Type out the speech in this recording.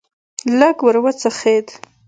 لږ ور وڅخېد.